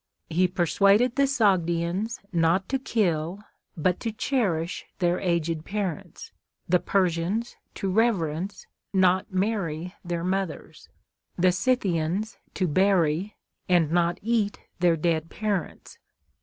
He persuaded the Sogdians not to kill, but to cherish their aged parents ; the Persians to reverence, not marry their mothers ; the Scythians to bury, and not eat their dead parents.